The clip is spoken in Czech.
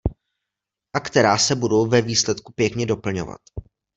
A která se budou ve výsledku pěkně doplňovat.